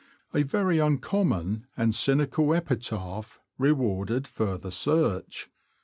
A very uncommon and cynical epitaph rewarded further search.